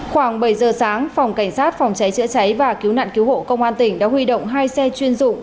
khoảng bảy giờ sáng phòng cảnh sát phòng cháy chữa cháy và cứu nạn cứu hộ công an tỉnh đã huy động hai xe chuyên dụng